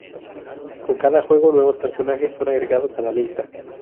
Con cada juego, nuevos personajes son agregados a la lista.